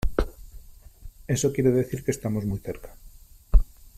eso quiere decir que estamos muy cerca .